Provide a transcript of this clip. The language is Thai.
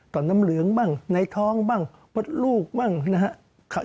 น้ำเหลืองบ้างในท้องบ้างมดลูกบ้างนะครับ